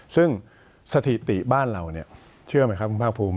ซึ่งสถิติบ้านเราเนี่ยเชื่อไหมครับคุณภาคภูมิ